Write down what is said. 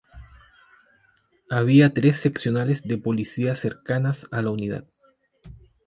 Había tres seccionales de policía cercanas a la unidad.